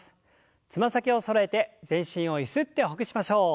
つま先をそろえて全身をゆすってほぐしましょう。